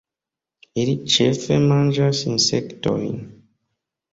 Ili ĉefe manĝas insektojn.